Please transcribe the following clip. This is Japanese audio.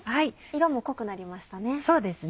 色も濃くなりましたね。